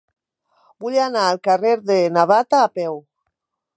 Vull anar al carrer de Navata a peu.